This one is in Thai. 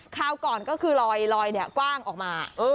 ข้าวก่อนก็คือลอยลอยเนี้ยกว้างออกมาเออ